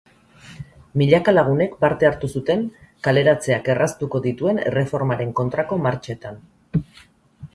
Milaka lagunek parte hartu zuten kaleratzeak erraztuko dituen erreformaren kontrako martxetan.